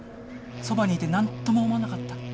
そばにいて何とも思わなかった？